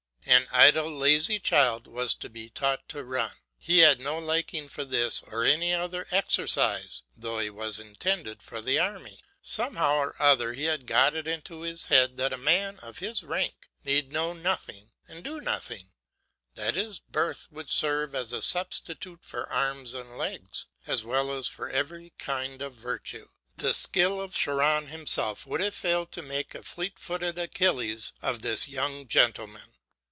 An idle, lazy child was to be taught to run. He had no liking for this or any other exercise, though he was intended for the army. Somehow or other he had got it into his head that a man of his rank need know nothing and do nothing that his birth would serve as a substitute for arms and legs, as well as for every kind of virtue. The skill of Chiron himself would have failed to make a fleet footed Achilles of this young gentleman.